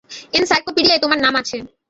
এনসাইক্লোপিডিয়ায় তোমার নাম আছে।